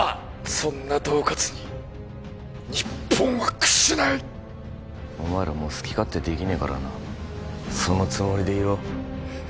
そんな恫喝に日本は屈しないお前らもう好き勝手できねえからなそのつもりでいろ